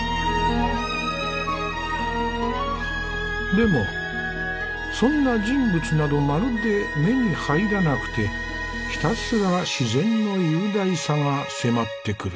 でもそんな人物などまるで目に入らなくてひたすら自然の雄大さが迫ってくる。